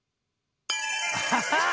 アハハッ！